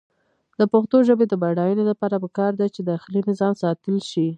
د پښتو ژبې د بډاینې لپاره پکار ده چې داخلي نظام ساتل شي.